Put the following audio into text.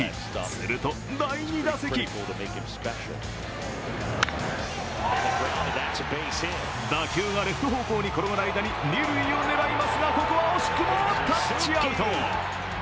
すると第２打席打球がレフト方向に転がる間に二塁を狙いますがここは惜しくもタッチアウト。